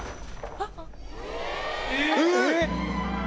あっ！